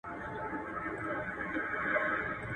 ¬ دنيا خپله لري، روی پر عالم لري.